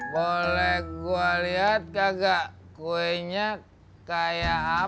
boleh gue liat kagak kuenya kayak apa